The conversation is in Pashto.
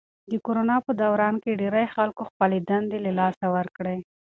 د کرونا په دوران کې ډېری خلکو خپلې دندې له لاسه ورکړې.